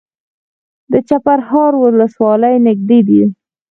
د چپرهار ولسوالۍ نږدې ده